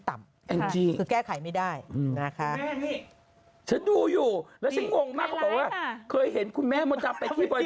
ต่ำอ่านกรุงแก้ไขไม่ได้นะคะิชดูอยู่หลังให้วงมาเขาไปเคยเห็นคุณแม่บนทำไปที่